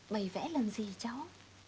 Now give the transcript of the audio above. mày vẽ làm gì cháu